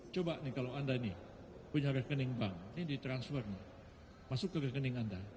coba nih kalau anda ini punya rekening bank ini ditransfer masuk ke rekening anda